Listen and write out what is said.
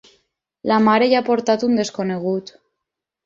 La mare hi ha portat un desconegut!